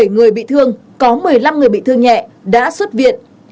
một mươi bảy người bị thương có một mươi năm người bị thương nhẹ đã xuất viện